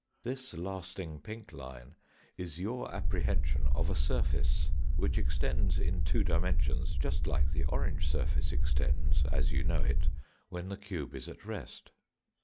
This lasting pink line in your apprehension of a surface, which extends in two dimensions just like the orange surface extends, as you know it, when the cube is at rest.